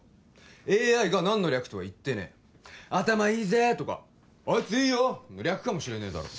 ＡＩが何の略とは言ってねえ「アタマいいぜ」とか「アイツいいよ」の略かもしれねえだろ